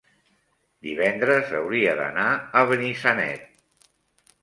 divendres hauria d'anar a Benissanet.